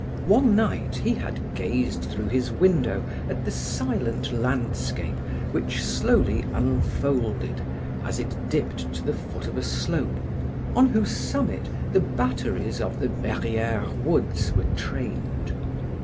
One night he had gazed through his window at the silent landscape which slowly unfolded, as it dipped to the foot of a slope, on whose summit the batteries of the Verrieres woods were trained.